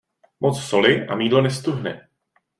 Moc soli a mýdlo neztuhne.